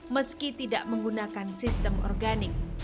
meski tidak menggunakan sistem organik